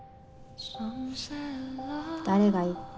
誰が言った？